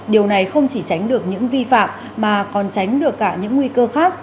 điều này không chỉ tránh được những vi phạm mà còn tránh được cả những nguy cơ khác